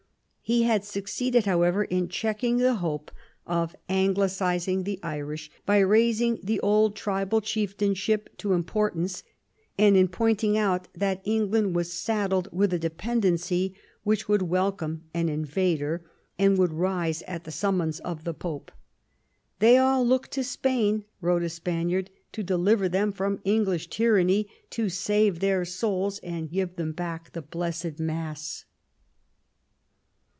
He had succeeded, how ever, in checking the hope of Anglicising the Irish, by raising the old tribal chieftainship to importance, and in pointing out that England was saddled with a dependency which would welcome an invader, and would rise at the summons of the Pope. " They all look to Spain," wrote a Spaniard, " to deliver them from English tyranny, to save their souls, and give them back the blessed Mass."